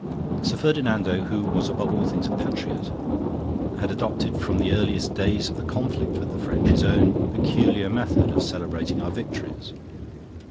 "Sir Ferdinando, who was above all things a patriot, had adopted, from the earliest days of the conflict with the French, his own peculiar method of celebrating our victories.